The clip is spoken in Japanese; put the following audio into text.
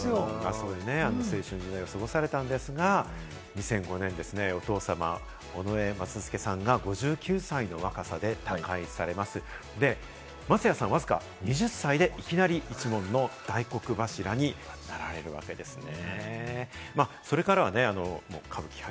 そういう青春を過ごされたんですが、２００５年にお父様・尾上松助さんが５９歳の若さで他界され、松也さんはわずか２０歳で、いきなり一門の大黒柱になられたわけですね。